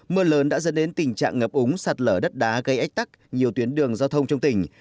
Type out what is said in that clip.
mưa lớn đã dẫn đến tình trạng ngập úng sạt lở đất đá gây ách tắc nhiều tuyến đường giao thông trong tỉnh